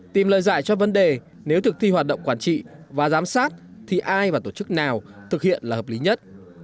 tìm lời giải cho vấn đề nếu thực thi hoạt động quản trị và giám sát thì ai và tổ chức nào thực hiện là hợp lý nhất